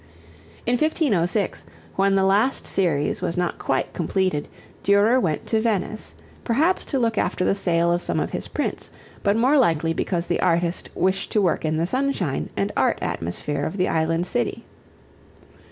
In 1506, when the last series was not quite completed, Durer went to Venice, perhaps to look after the sale of some of his prints, but more likely because the artist wished to work in the sunshine and art atmosphere of the island city.